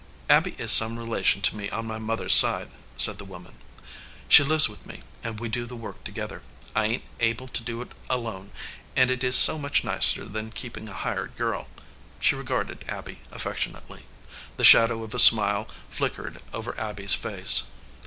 "Abby is some relation to me on my mother s side," said the woman. "She lives with me, and we do the work together. I ain t able to do it alone, and it is so much nicer than keepin a hired girl." She regarded Abby affectionately. The shadow of a smile flickered over Abby s face.